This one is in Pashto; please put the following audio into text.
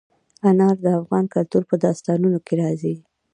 انار د افغان کلتور په داستانونو کې راځي.